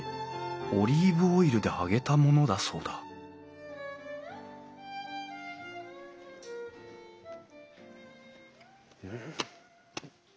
オリーブオイルで揚げたものだそうだうん！